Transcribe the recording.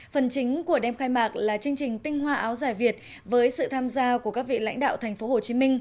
phần chính của đêm khai mạc là chương trình tinh hoa áo dài việt với sự tham gia của các vị lãnh đạo tp hcm